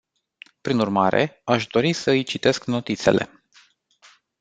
Prin urmare, aș dori să îi citesc notițele.